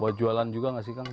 buat jualan juga nggak sih kang